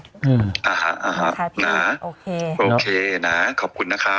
อืมอ่าฮะอ่าครับนะโอเคโอเคนะขอบคุณนะคะ